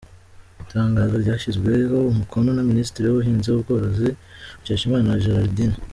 Itangazo ryashyizweho umukono na Minisitiri w’ubuhinzi n’ubworozi, Mukeshimana Gerardine.